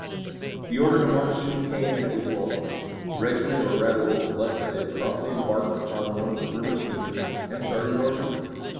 The order to march soon came, and it was welcome. The regiment, or rather what was left of it, promptly embarked upon one of the river steamers and started northward.